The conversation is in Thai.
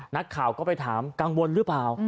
นักข่าวก็ไปถามกังวลหรือเปล่า